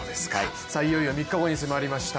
いよいよ３日後に迫りました